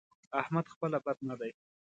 احمد خپله بد نه دی؛